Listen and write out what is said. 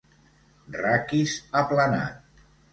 Raquis aplanat.